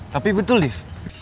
tapi betul lif